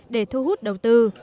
để thu hút đầu tư